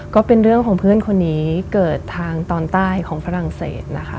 ก็เป็นเรื่องของเพื่อนคนนี้เกิดทางตอนใต้ของฝรั่งเศสนะคะ